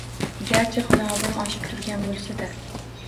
Garchi xunobim oshib turgan boʻlsa-da